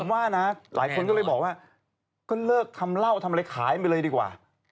ผมว่านะหลายคนก็เลยบอกว่าก็เลิกทำเหล้าทำอะไรขายไปเลยดีกว่า